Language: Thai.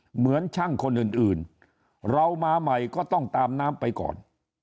เหมือนช่างคนอื่นเรามาใหม่ก็ต้องตามน้ำไปก่อน